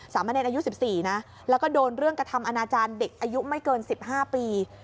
สามเมรินอายุสิบสี่นะแล้วก็โดนเรื่องกระทำอนาจารย์เด็กอายุไม่เกินสิบห้าปี